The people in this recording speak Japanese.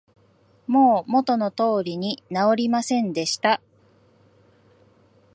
もう元の通りに直りませんでした